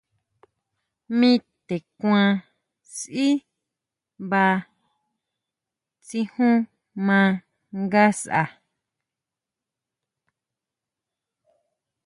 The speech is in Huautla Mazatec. Mi te kʼua sʼí baá tsí ju maa ngasʼa.